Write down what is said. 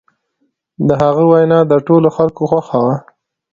د هغه وینا د ټولو خلکو خوښه وه.